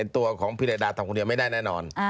ตัวของพิรดาทำคนเดียวไม่ได้แน่นอน